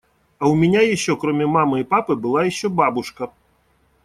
А у меня ещё, кроме мамы и папы, была ещё бабушка.